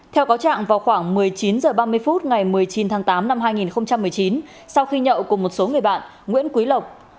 theo cáo trạng vào khoảng một mươi chín h ba mươi phút ngày một mươi chín tháng tám năm hai nghìn một mươi chín sau khi nhậu cùng một số người bạn nguyễn quý lộc